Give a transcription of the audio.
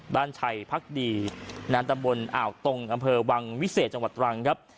ชัยพักดีนานตำบลอ่าวตรงอำเภอวังวิเศษจังหวัดตรังครับ